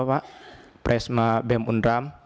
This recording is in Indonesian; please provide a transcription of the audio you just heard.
pak presma bem undram